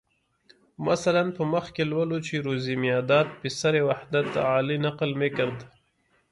مثلاً په مخ کې لولو چې روزي میاداد پسر وحدت علي نقل میکرد.